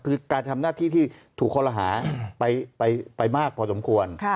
คือการทำหน้าที่ที่ถูกคอลหาไปมากพอสมควร